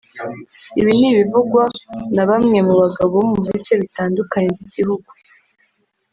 Ibi ni ibivugwa na bamwe mu bagabo bo mu bice bitandukanye by’igihugu